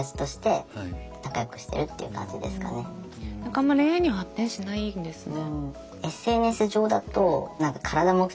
あまり恋愛には発展しないんですね。